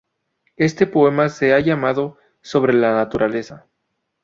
Este poema se ha llamado "Sobre la naturaleza".